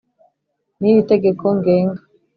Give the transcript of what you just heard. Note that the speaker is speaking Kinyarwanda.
N iri tegeko ngenga